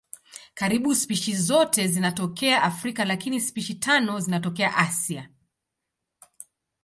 Karibu spishi zote zinatokea Afrika lakini spishi tano zinatokea Asia.